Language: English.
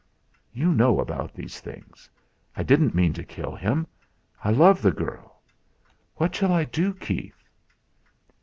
"You know about these things. I didn't mean to kill him. I love the girl. What shall I do, Keith?